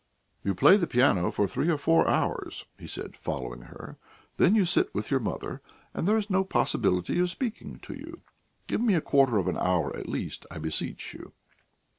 "You play the piano for three or four hours," he said, following her; "then you sit with your mother, and there is no possibility of speaking to you. Give me a quarter of an hour at least, I beseech you."